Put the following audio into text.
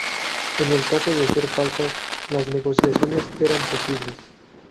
En el caso de ser falsas, las negociaciones eran posibles.